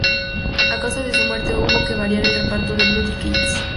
A causa de su muerte, hubo que variar el reparto de "Bloody Kids".